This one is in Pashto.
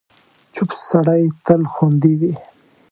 چوپ سړی، تل خوندي وي.